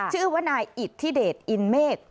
ชื่อว่านายอิทธิเดชอินเมฆ